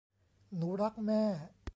หนูรักแม่